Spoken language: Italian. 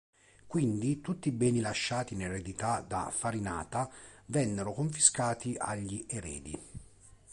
Quindi tutti i beni lasciati in eredità da Farinata vennero confiscati agli eredi.